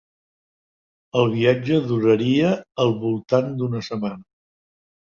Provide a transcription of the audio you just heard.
El viatge duraria al voltant d'una setmana.